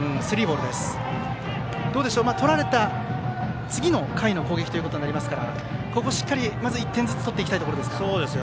どうでしょう、取られた次の回の攻撃となりますからしっかり、１点ずつ取っていきたいところですか。